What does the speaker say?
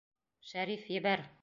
Шәриф, ебәр!